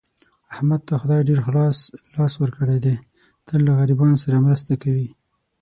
احمد ته خدای ډېر خلاص لاس ورکړی دی، تل له غریبانو سره مرسته کوي.